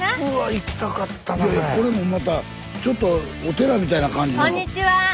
いやいやこれもまたちょっとお寺みたいな感じのとこ。